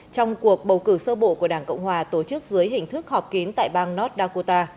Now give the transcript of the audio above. trong cuộc bầu cử sơ bộ của đảng cộng hòa tổ chức dưới hình thức họp kín tại bang north dakota